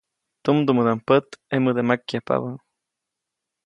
Tumdumädaʼm pät ʼemäde makyajpabä.